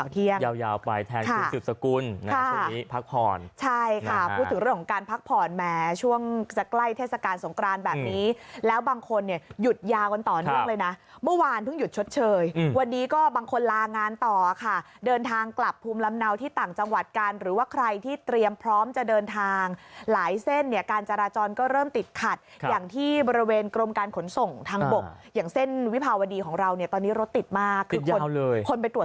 ไทยเทศกาลสงกรานแบบนี้แล้วบางคนเนี่ยหยุดยาวกันต่อเรื่องเลยนะเมื่อวานเพิ่งหยุดชดเชยวันนี้ก็บางคนลางานต่อค่ะเดินทางกลับภูมิลำเนาที่ต่างจังหวัดกันหรือว่าใครที่เตรียมพร้อมจะเดินทางหลายเส้นเนี่ยการจราจรก็เริ่มติดขัดอย่างที่บริเวณกรมการขนส่งทางบกอย่างเส้นวิพาวดีของเราเนี่ย